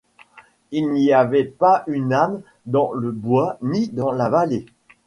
Il n’y avait pas une âme dans le bois ni dans la vallée.